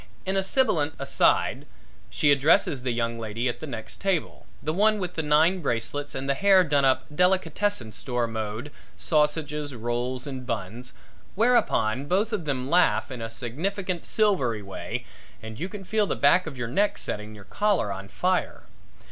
In a sibulent aside, she addresses the young lady at the next table the one with the nine bracelets and the hair done up delicatessen store mode sausages, rolls and buns whereupon both of them laugh in a significant, silvery way, and you feel the back of your neck setting your collar on fire.